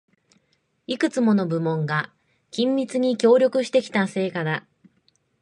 いくつもの部門が緊密に協力してきた成果だ